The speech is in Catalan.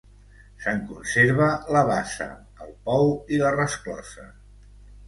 Se'n conserva la bassa, el pou i la resclosa.